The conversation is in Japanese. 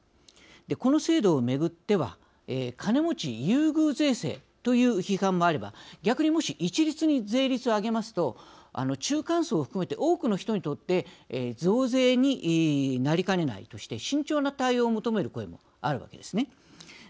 この制度をめぐっては金持ち優遇税制という批判もあれば逆にもし一律に税率を上げますと中間層を含めて多くの人にとって増税になりかねないとして慎重な対応を求める声もあるわけですね。